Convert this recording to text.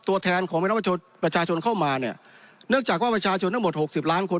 ตัวแทนของพี่น้องประชาชนเข้ามาเนี่ยเนื่องจากว่าประชาชนทั้งหมดหกสิบล้านคน